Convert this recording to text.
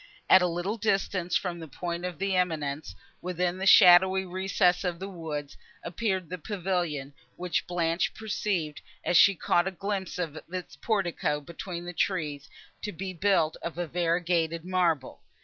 At a little distance from the point of the eminence, within the shadowy recess of the woods, appeared the pavilion, which Blanche perceived, as she caught a glimpse of its portico between the trees, to be built of variegated marble.